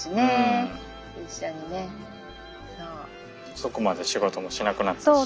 遅くまで仕事もしなくなったしね。